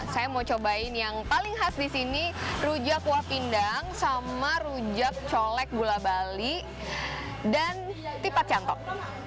saya mau cobain yang paling khas di sini rujak kuah pindang sama rujak colek gula bali dan tipat cantok